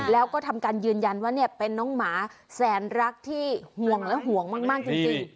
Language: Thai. แล้วก็ทำการยืนยันว่าเป็นน้องหมาแสนรักที่ห่วงและห่วงมากจริง